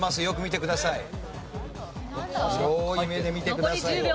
よく見てください。